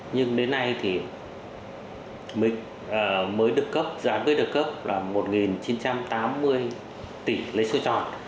nhưng đến nay thì mới được cấp dự án mới được cấp là một chín trăm tám mươi tỷ lấy số tròn